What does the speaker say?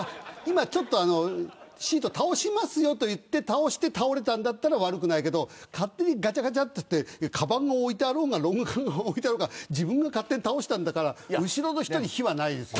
シートを倒しますよと言って倒して倒れたんなら悪くないけど勝手にがちゃがちゃやってかばんを置いてあろうがロング缶を置いてあろうが勝手に倒したんだから後ろの人に非はないですよ。